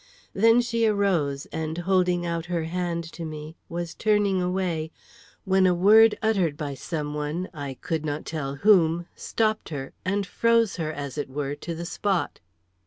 Then she arose, and holding out her hand to me, was turning away, when a word uttered by some one, I could not tell whom, stopped her, and froze her, as it were, to the spot.